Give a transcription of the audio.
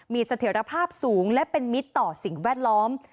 มีเสถียรภาพสูงและเป็นมิตรต่อสิ่งแวดล้อม